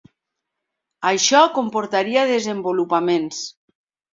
Això comportaria desenvolupaments.